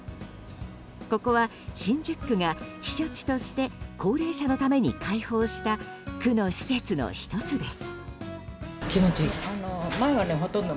ここは新宿区が避暑地として高齢者のために開放した、区の施設の１つです。